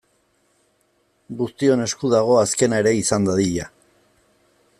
Guztion esku dago azkena ere izan dadila.